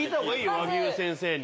和牛先生に。